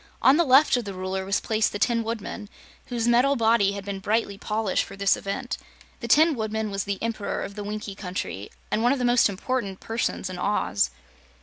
On the left of the Ruler was placed the Tin Woodman, whose metal body had been brightly polished for this event. The Tin Woodman was the Emperor of the Winkie Country and one of the most important persons in Oz.